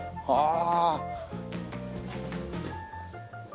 ああ。